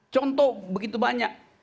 contoh begitu banyak